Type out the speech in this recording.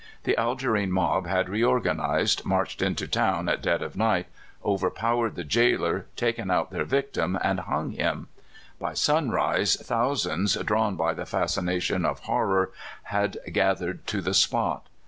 The Algerine mob had reororanized, marched into town at dead of night, overpowered the jailer, taken out their victim, and hung him. By sunrise thousands, drawn by the fascination of horror, had gathered to the spot.